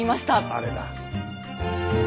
あれだ。